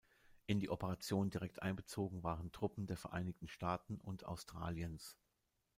In die Operation direkt einbezogen waren Truppen der Vereinigten Staaten und Australiens.